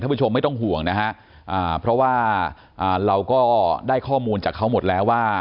ผู้ชมไม่ต้องห่วงนะฮะเพราะว่าเราก็ได้ข้อมูลจากเขาหมดแล้วว่า